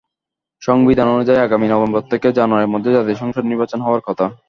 সংবিধান অনুযায়ী আগামী নভেম্বর থেকে জানুয়ারির মধ্যে জাতীয় সংসদ নির্বাচন হওয়ার কথা।